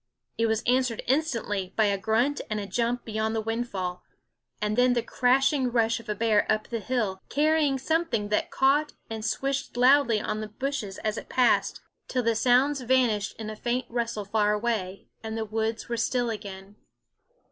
It was answered instantly by a grunt and a jump SCHOOL Of beyond the windfall and then the crashing rush of a bear up the hill, carrying some thing that caught and swished loudly on the bushes as it passed, till the sounds vanished in a faint rustle far away, and the woods were still again.